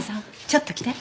ちょっと来て。